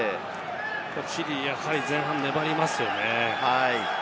チリ、やはり前半粘りますよね。